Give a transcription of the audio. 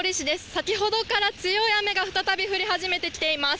先ほどから強い雨が再び降り始めてきています。